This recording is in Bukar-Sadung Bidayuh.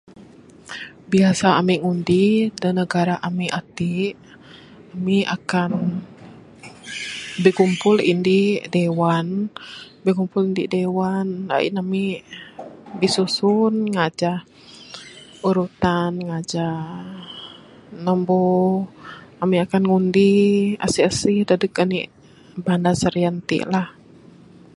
Biasa ne ami ngundi da negara ami ati ami akan bigumpul indi Dewan bigumpul indi dewan ain ami bisusun ngajah urutan ngajah nombor ami akan ngundi asih asih dadeg anih bandar serian ti lah.